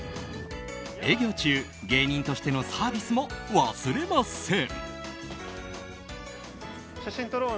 営業中、芸人としてのサービスも忘れません。